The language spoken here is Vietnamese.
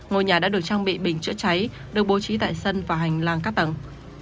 ngôi nhà đã được trang bị bình chữa cháy được bố trí tại sân và hành lang các tầng